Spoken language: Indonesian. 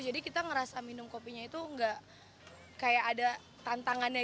jadi kita ngerasa minum kopinya itu enggak kayak ada tantangannya